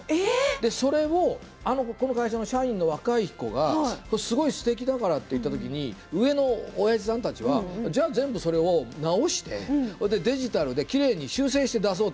それを、この会社の社員の若い子が、とてもすてきだからと言った時に上のおやじさんたちは全部それを直してデジタルできれいに修正して出そうと。